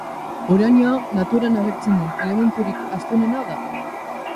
Uranioa naturan agertzen den elementurik astunena da.